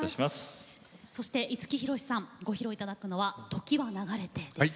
そして五木ひろしさんご披露いただくのは「時は流れて」です。